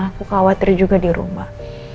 aku khawatir juga di rumah